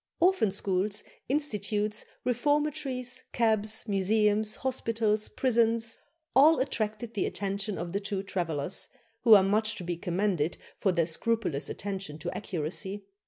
Orphan schools, institutes, reformatories, cabs, museums, hospitals, prisons all attracted the attention of the two travellers, who are much to be commended for their scrupulous attention to accuracy.